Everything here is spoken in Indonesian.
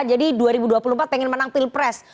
jadi dua ribu dua puluh empat ingin menang pil pres